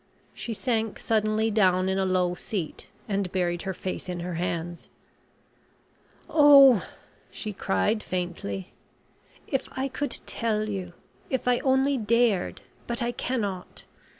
She sank suddenly down in a low seat, and buried her face in her hands. "Oh," she cried, faintly, "if I could tell you if I only dared; but I cannot!